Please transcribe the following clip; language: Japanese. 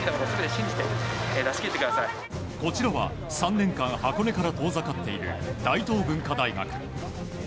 こちらは３年間箱根から遠ざかっている大東文化大学。